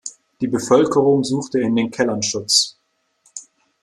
Die Bevölkerung suchte in den Kellern Schutz.